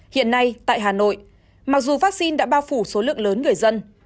hiện nay tại hà nội mặc dù vaccine đã bao phủ số lượng lớn người dân